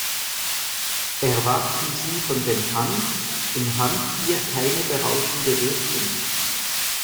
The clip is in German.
Erwarten Sie von dem Hanf im Hanfbier keine berauschende Wirkung.